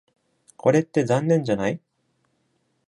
これって残念じゃない？